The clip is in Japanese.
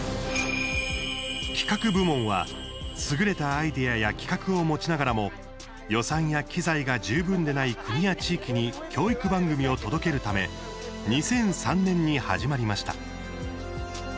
企画部門は、優れたアイデアや企画を持ちながらも予算や機材が十分でない国や地域に教育番組を届けるため２００３年に始まりました。